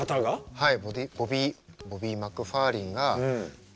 はい。